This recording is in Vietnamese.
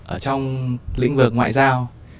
ở trong lĩnh vực ngoại giao